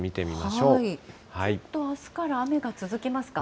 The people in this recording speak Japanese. ちょっとあすから雨が続きますか？